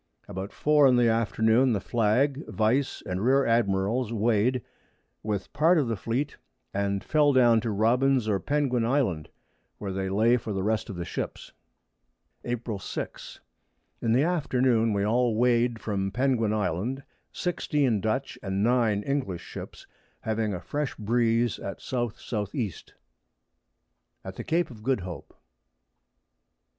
About 4 in the Afternoon the Flag, Vice and Rear Admirals weigh'd, with part of the Fleet, and fell down to Robins or Penguin Island, where they lay for the rest of the Ships. April 6. In the Afternoon we all weigh'd from Penguin Island, 16 Dutch and 9 English Ships, having a fresh Breeze at S. S. E. [Sidenote: _At the Cape of Good Hope.